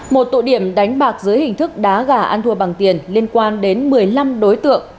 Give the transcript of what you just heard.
một tụ điểm đánh bạc dưới hình thức đá gà ăn thua bằng tiền liên quan đến một mươi năm đối tượng